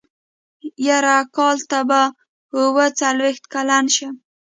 يره کال ته به اوه څلوېښت کلن شم.